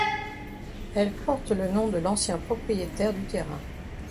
Elle porte le nom de l'ancien propriétaire du terrain.